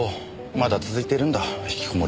まだ続いてるんだ引きこもり。